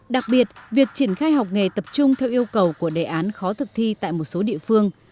đặc biệt việc triển khai học nghề tập trung theo yêu cầu của đề án khó thực thi tại một số địa phương